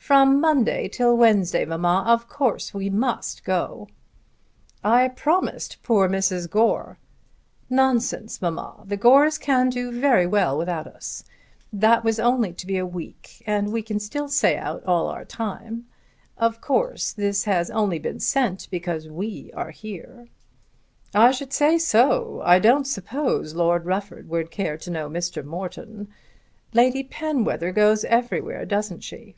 "From Monday till Wednesday, mamma. Of course we must go." "I promised poor Mrs. Gore." "Nonsense, mamma! The Gores can do very well without us. That was only to be a week and we can still stay out our time. Of course this has only been sent because we are here." "I should say so. I don't suppose Lord Rufford would care to know Mr. Morton. Lady Penwether goes everywhere; doesn't she?"